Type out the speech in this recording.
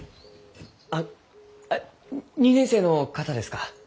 あ２年生の方ですか？